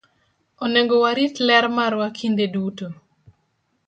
Onego warit ler marwa kinde duto.